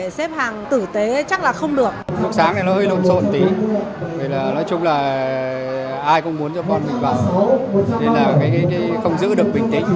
xếp hàng cả chen lấn sô đẩy mới lấy được